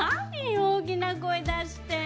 大きな声出して。